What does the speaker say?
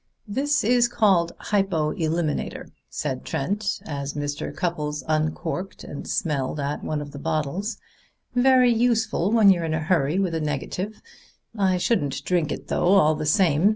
"That is called hypo eliminator," said Trent as Mr. Cupples uncorked and smelled at one of the bottles. "Very useful when you're in a hurry with a negative. I shouldn't drink it, though, all the same.